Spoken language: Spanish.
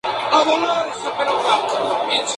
Varias veces el y su familia, fueron torturados.